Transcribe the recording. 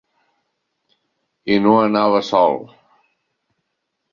I no anava sol.